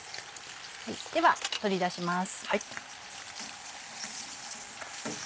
では取り出します。